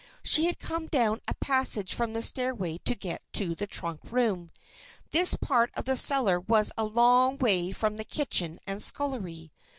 She had come down a passage from the stairway to get to the trunk room. This part of the cellar was a long way from the kitchen and scullery.